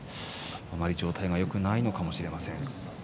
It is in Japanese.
あまり状態がよくないのかもしれません。